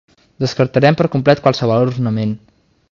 Descartarem per complet qualsevol ornament.